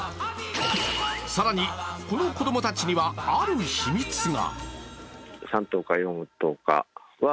更に、この子供たちにはある秘密が。